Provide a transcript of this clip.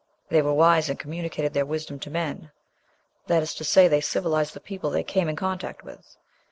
"They were wise, and communicated their wisdom to men." That is to say, they civilized the people they came in contact with.